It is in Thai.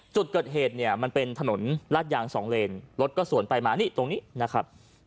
จุดเกิดเหตุเนี่ยมันเป็นถนนลาดยางสองเลนรถก็สวนไปมานี่ตรงนี้นะครับ